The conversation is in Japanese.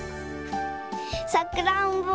さくらんぼ。